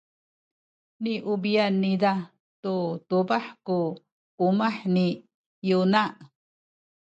niubi’an niza tu tubah ku umah ni Yona.